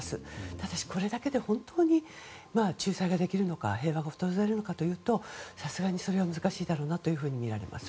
ただしこれだけだと本当に仲裁ができるのか平和が訪れるのかというとさすがにそれは難しいだろうとみられます。